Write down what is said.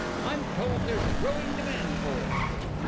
I'm told there's a growing demand for it.